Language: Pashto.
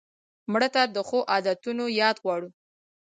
مړه ته د ښو عادتونو یاد غواړو